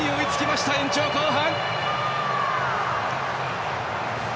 延長後半！